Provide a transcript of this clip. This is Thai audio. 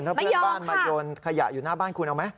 ถ้าเพื่อนบ้านมาโยนขยะอยู่หน้าบ้านคุณเอาไหม